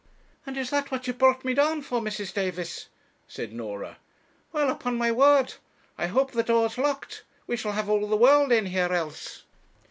'And is that what you brought me down for, Mrs. Davis?' said Norah. 'Well, upon my word, I hope the door's locked; we shall have all the world in here else.'